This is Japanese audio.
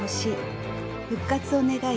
復活を願い